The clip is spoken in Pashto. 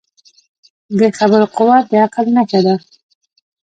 د خبرو قوت د عقل نښه ده